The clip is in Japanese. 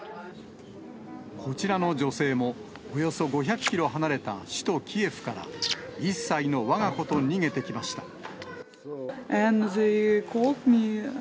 こちらの女性も、およそ５００キロ離れた首都キエフから、１歳のわが子と逃げてきました。